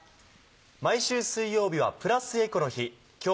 毎週水曜日はプラスエコの日。